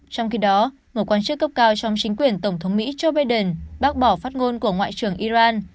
trong khi đó một quan chức cấp cao trong chính quyền tổng thống mỹ joe biden bác bỏ phát ngôn của ngoại trưởng iran